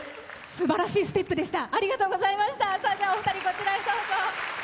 すばらしいステップでした。